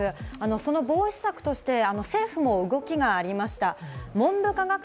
その防止策として、政府も動きがありました。